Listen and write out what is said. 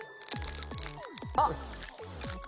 あっ！